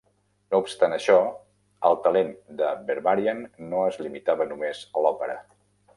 No obstant això, el talent de Berbarian no es limitava només a l'òpera.